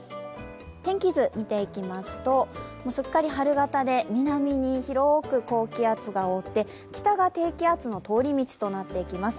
天気図、見ていきますとすっかり春型で、南に広く高気圧が覆って北が低気圧の通り道となっていきます。